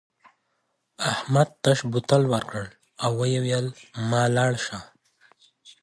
احمد تش بوتل ورکړ او وویل مه لاړ شه.